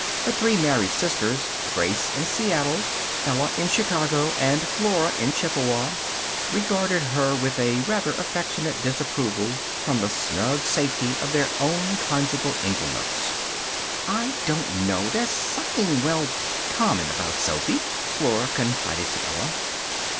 Her three married sisters Grace in Seattle, Ella in Chicago, and Flora in Chippewa regarded her with a rather affectionate disapproval from the snug safety of their own conjugal inglenooks. "I don't know. There's something well common about Sophy," Flora confided to Ella.